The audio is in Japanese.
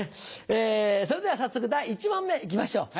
それでは早速第１問目行きましょう。